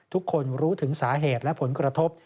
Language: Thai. ทุกคนรู้ถึงสาเหตุและผลกระทบ